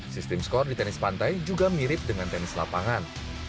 sistem skor di tenis pantai juga mirip dengan tenis lapangan